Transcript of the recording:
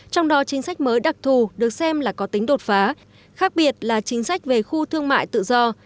trong đó chính sách mới đặc thù được xem là có tính đột phá khác biệt là chính sách về khu thương mại tự do